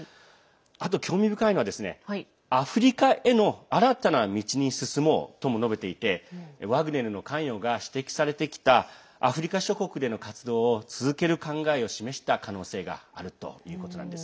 あと興味深いのは、アフリカへの新たな道に進もうとも述べていてワグネルの関与が指摘されてきたアフリカ諸国での活動を続ける考えを示した可能性があるということなんです。